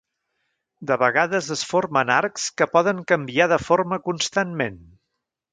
De vegades, es formen arcs que poden canviar de forma constantment.